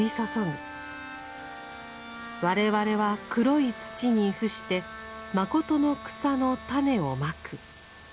我々は黒い土に伏して誠の草の種をまく。